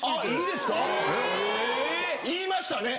言いましたね！